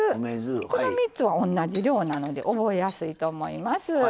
この３つは同じ量なので覚えやすいと思います。